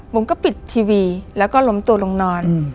ก็ปิดทีวีแล้วก็ล้มตัวลงนอน